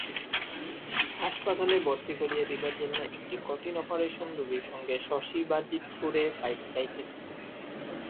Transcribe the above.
হাসপাতালে ভরতি করিয়া দিবার জন্য একটি কঠিন অপারেশন রোগীর সঙ্গে শশী বাজিতপুরে যাইতেছিল।